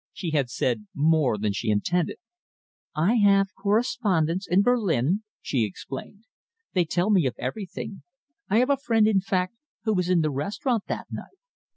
She had said more than she intended. "I have correspondents in Berlin," she explained. "They tell me of everything. I have a friend, in fact, who was in the restaurant that night."